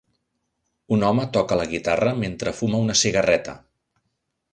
Un home toca la guitarra mentre fuma una cigarreta.